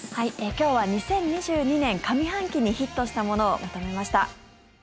今日は２０２２年上半期にヒットしたものをまとめました。